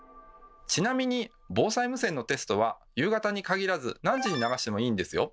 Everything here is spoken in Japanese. ちなみに防災無線のテストは夕方に限らず何時に流してもいいんですよ。